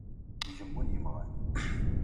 Gemmun yemɣan.